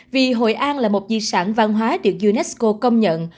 vì hội an là một di sản văn hóa được unesco công nhận